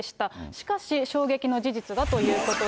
しかし、衝撃の事実がということで。